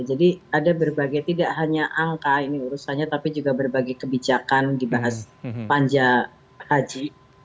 jadi ada berbagai tidak hanya angka ini urusannya tapi juga berbagai kebijakan dibahas panja haji